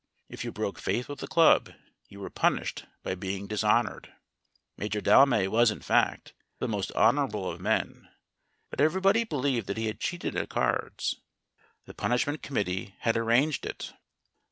If you broke faith with the club you were punished by being dishonored. Major Delmay was, in fact, the most honorable of men, but everybody believed that he had cheated at cards. The Punishment Committee had arranged it.